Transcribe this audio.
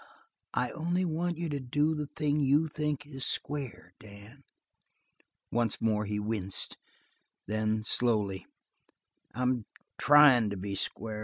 "I only want you to do the thing you think is square, Dan." Once more he winced. Then, slowly: "I'm tryin' to be square.